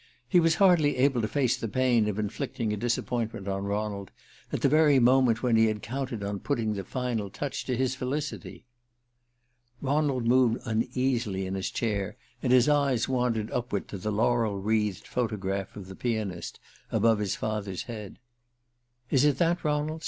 He was hardly able to face the pain of inflicting a disappointment on Ronald at the very moment when he had counted on putting the final touch to his felicity. Ronald moved uneasily in his chair and his eyes wandered upward to the laurel wreathed photograph of the pianist above his father's head. "_ Is_ it that, Ronald?